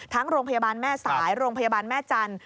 โรงพยาบาลแม่สายโรงพยาบาลแม่จันทร์